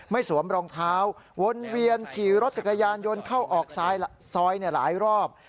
สวมรองเท้าวนเวียนขี่รถจักรยานยนต์เข้าออกซอยหลายรอบ